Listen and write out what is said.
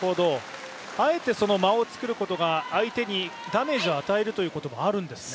あえて間を作ることが相手にダメージを与えるということもあるんですね。